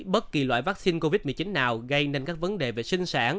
bất kỳ loại vaccine covid một mươi chín nào gây nên các vấn đề về sinh sản